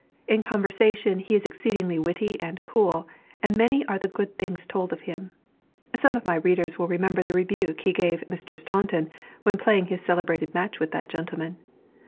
In conversation, he is exceedingly witty and "cool," and many are the good things told of him. Some of my readers will remember the rebuke he gave Mr. Staunton, when playing his celebrated match with that gentleman.